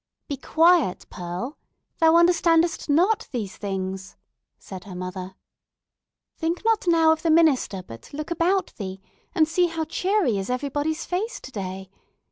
"Be quiet, Pearl—thou understandest not these things," said her mother. "Think not now of the minister, but look about thee, and see how cheery is everybody's face today.